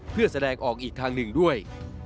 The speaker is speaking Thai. เพื่อแสดงออกอีกทางหนึ่งด้วย